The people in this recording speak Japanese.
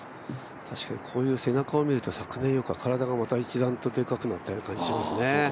確かにこういう背中を見ると昨年よりまた一段とデカくなったような感じがしますね。